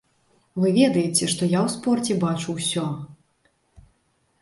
Вы ведаеце, што я ў спорце бачу ўсё.